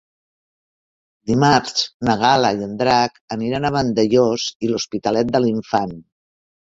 Dimarts na Gal·la i en Drac aniran a Vandellòs i l'Hospitalet de l'Infant.